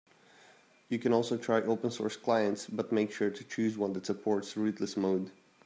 You can also try open source clients, but make sure to choose one that supports rootless mode.